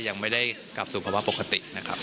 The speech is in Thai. ยังไม่ได้กลับสู่ภาวะปกติ